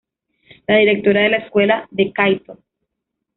La directora de la escuela de Kaito.